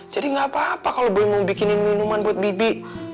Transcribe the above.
jadi gak apa apa kalau boy mau bikinin minuman buat bibi